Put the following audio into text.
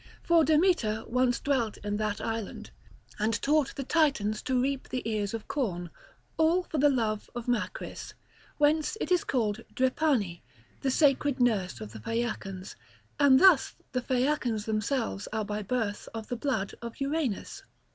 For Demeter once dwelt in that island, and taught the Titans to reap the ears of corn, all for the love of Macris. Whence it is called Drepane, the sacred nurse of the Phaeacians; and thus the Phaeacians themselves are by birth of the blood of Uranus.